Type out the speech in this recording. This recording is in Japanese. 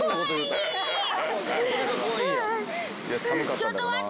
ちょっと待って！